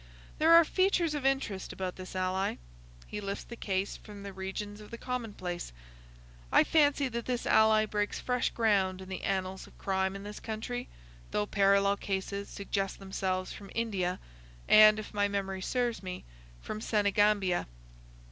"There are features of interest about this ally. He lifts the case from the regions of the commonplace. I fancy that this ally breaks fresh ground in the annals of crime in this country,—though parallel cases suggest themselves from India, and, if my memory serves me, from Senegambia."